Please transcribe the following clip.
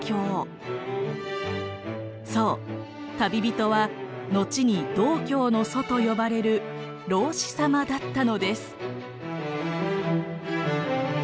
そう旅人はのちに道教の祖と呼ばれる老子様だったのです。